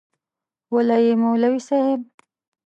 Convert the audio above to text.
وله يي مولوي صيب